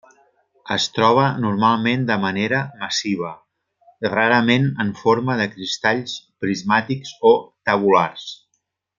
Es troba normalment de manera massiva; rarament en forma de cristalls prismàtics o tabulars.